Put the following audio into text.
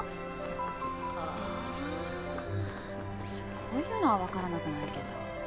そういうのは分からなくないけど。